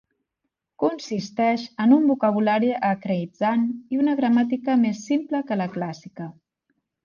Consisteix en un vocabulari arcaïtzant i una gramàtica més simple que la clàssica.